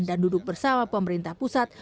dan duduk bersama pemerintah pusat